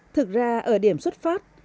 thực ra ở điểm xuất phát